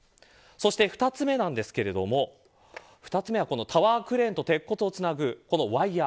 そして、２つ目ですがタワークレーンと鉄骨をつなぐワイヤ。